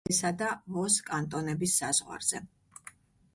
მდებარეობს ვალესა და ვოს კანტონების საზღვარზე.